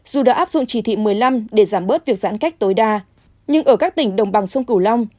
dù đã áp dụng chỉ thị một mươi năm để giảm bớt việc giãn cách tối đa nhưng ở các tỉnh đồng bằng sông cửu long